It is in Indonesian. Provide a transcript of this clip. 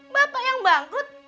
bapak yang bangkrut